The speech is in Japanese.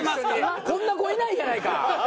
こんな子いないやないか！